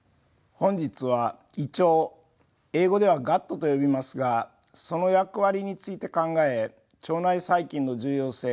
本日は胃腸英語ではガットと呼びますがその役割について考え腸内細菌の重要性